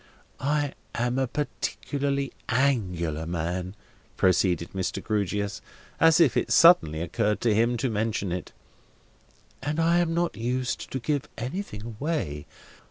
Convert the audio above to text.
I am a particularly Angular man," proceeded Mr. Grewgious, as if it suddenly occurred to him to mention it, "and I am not used to give anything away.